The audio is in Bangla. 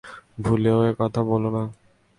ভুলেও একথা বোলো না।